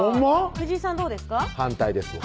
藤井さんどうですか？